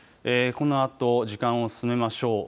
このあと時間を進めましょう。